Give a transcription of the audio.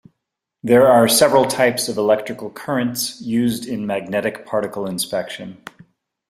There are several types of electrical currents used in magnetic particle inspection.